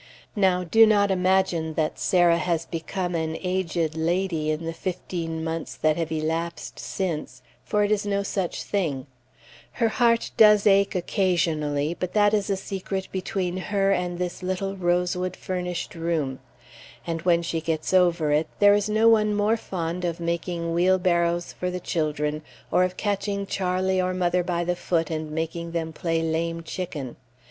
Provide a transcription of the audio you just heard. Now do not imagine that Sarah has become an aged lady in the fifteen months that have elapsed since, for it is no such thing; her heart does ache occasionally, but that is a secret between her and this little rosewood furnished room; and when she gets over it, there is no one more fond of making wheelbarrows of the children, or of catching Charlie or mother by the foot and making them play lame chicken....